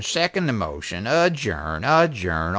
Second the motion! Adjourn! Adjourn!